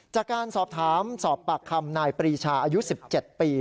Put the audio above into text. จากการสอบถามสอบปากคำนายปรีชาอายุ๑๗ปี